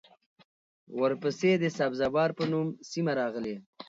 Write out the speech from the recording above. ورپسې د سبزه بار په نوم سیمه راغلې